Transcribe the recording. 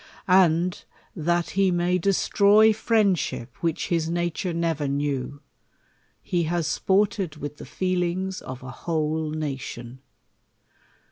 And, that Ke may de stroy friendship which his Hature never knew, he has sported with the feelings of a whole nation.